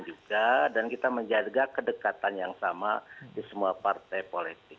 juga dan kita menjaga kedekatan yang sama di semua partai politik